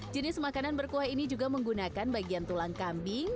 jenis makanan berkuah ini juga menggunakan bagian tulang kambing